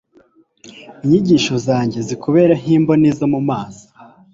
inyigisho zanjye zikubere nk'imboni zo mu maso